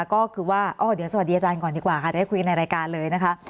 ก็คือว่าเดี๋ยวสวัสดีอาจารย์ก่อนดีกว่าค่ะจะได้คุยกันในรายการเลยนะคะ